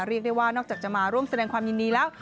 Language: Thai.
เรียกได้ว่านอกจากจะมาร่วมแสดงความยินดีแล้ว